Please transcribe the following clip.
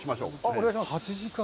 お願いします。